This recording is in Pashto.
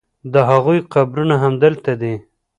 د هغوی قبرونه همدلته دي.